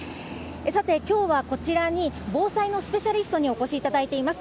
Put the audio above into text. さて、きょうはこちらに防災のスペシャリストにお越しいただいています。